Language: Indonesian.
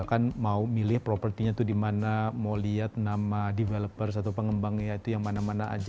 kan mau milih propertinya itu dimana mau lihat nama developers atau pengembangnya itu yang mana mana aja